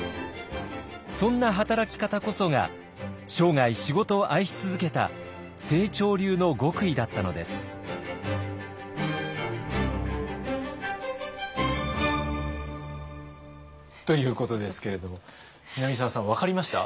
そんな働き方こそが生涯仕事を愛し続けた清張流の極意だったのです。ということですけれども南沢さん分かりました？